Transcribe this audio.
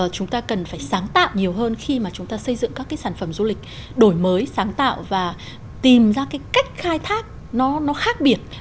chúng ta cần phải sáng tạo nhiều hơn khi mà chúng ta xây dựng các cái sản phẩm du lịch đổi mới sáng tạo và tìm ra cái cách khai thác nó khác biệt